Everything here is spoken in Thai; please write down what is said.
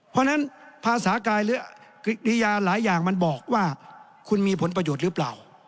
เพราะฉะนั้นภาษากายหรือกิยาหลายอย่างมันบอกว่าคุณมีผลประโยชน์หรือเปล่า